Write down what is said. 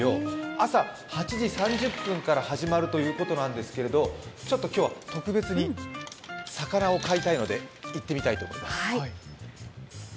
朝８時３０分から始まるということなんですけど、ちょっと今日は特別に魚を買いたいので行ってみたいと思います。